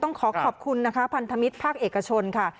ต้องขอขอบคุณนะคะพันธมิตรภาคเอกชนค่ะ